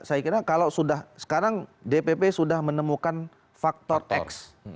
saya kira kalau sudah sekarang dpp sudah menemukan faktor x